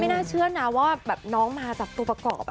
น่าเชื่อนะว่าแบบน้องมาจากตัวประกอบ